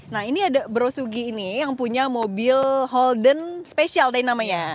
nah ini ada bro sugi ini yang punya mobil holden special deh namanya